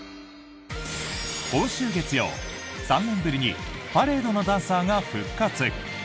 今週月曜、３年ぶりにパレードのダンサーが復活。